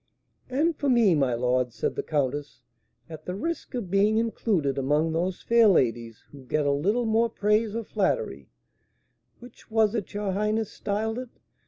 "And for me, my lord," said the countess, "at the risk of being included among those fair ladies who get a little more praise or flattery (which was it your highness styled it?)